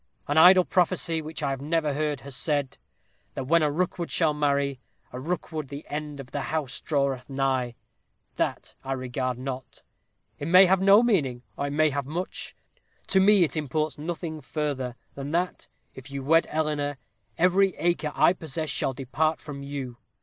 An idle prophecy which I have heard has said "that when a Rookwood shall marry a Rookwood the end of the house draweth nigh." That I regard not. It may have no meaning, or it may have much. To me it imports nothing further, than that, if you wed Eleanor, every acre I possess shall depart from you.